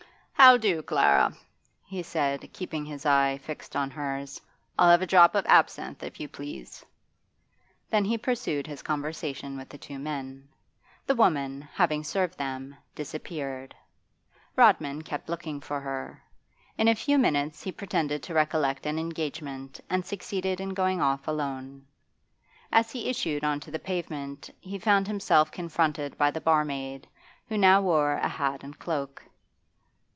'How do, Clara?' he said, keeping his eye fixed on hers. 'I'll have a drop of absinthe, if you please.' Then he pursued his conversation with the two men. The woman, having served them, disappeared. Rodman kept looking for her. In a few minutes he pretended to recollect an engagement and succeeded in going off alone. As he issued on to the pavement he found himself confronted by the barmaid, who now wore a hat and cloak.